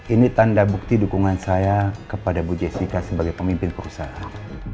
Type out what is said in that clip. ini tanda bukti dukungan saya kepada bu jessica sebagai pemimpin perusahaan